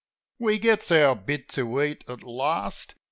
We gets our bit to eat at last.